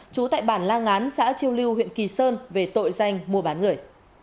trú tại bản lan ngán xã triều lưu huyện kỳ sơn về tội danh mua bán người